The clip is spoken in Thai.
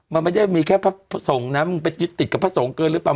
มันไม่ได้มีแค่พระสงฆ์นะมันไปติดกับพระสงฆ์เกินหรือเปล่า